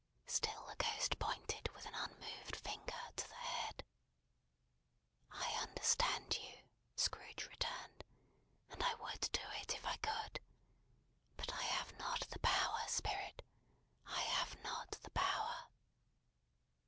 Still the Ghost pointed with an unmoved finger to the head. "I understand you," Scrooge returned, "and I would do it, if I could. But I have not the power, Spirit. I have not the power."